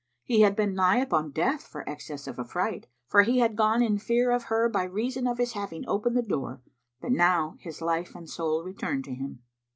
He had been nigh upon death for excess of affright, for he had gone in fear of her by reason of his having opened the door; but now his life and soul returned to him.